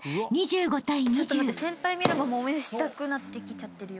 先輩ミラモンも応援したくなってきちゃってるよ。